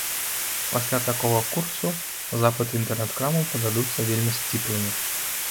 Пасля такога курсу запыты інтэрнэт-крамаў пададуцца вельмі сціплымі.